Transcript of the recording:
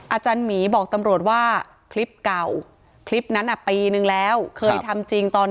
อาจารย์หมีบอกตำรวจว่าคลิปเก่าคลิปนั้นปีนึงแล้วเคยทำจริงตอน